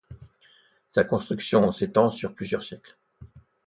Sa construction s'étend sur plusieurs siècles.